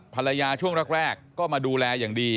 ช่วงแรกก็มาดูแลอย่างดี